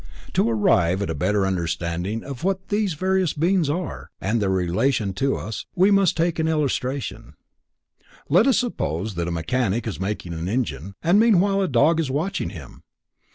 To arrive at a better understanding of what these various beings are, and their relation to us, we may take an illustration: Let us suppose that a mechanic is making an engine, and meanwhile a dog is watching him.